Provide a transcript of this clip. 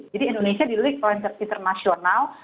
jadi indonesia dilipihkan oleh internasional